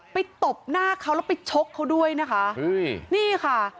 ตบหน้าเขาแล้วไปชกเขาด้วยนะคะเฮ้ยนี่ค่ะ